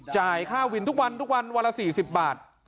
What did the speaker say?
จ่ายค่าวินทุกวันวันละ๔๐บาท